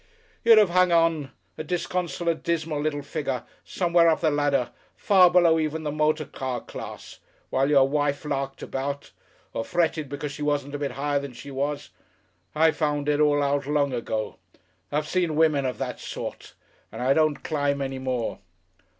You'd have hung on, a disconsolate, dismal, little figure, somewhere up the ladder, far below even the motor car class, while your wife larked about or fretted because she wasn't a bit higher than she was.... I found it all out long ago. I've seen women of that sort. And I don't climb any more."